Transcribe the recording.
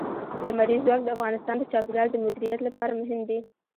لمریز ځواک د افغانستان د چاپیریال د مدیریت لپاره مهم دي.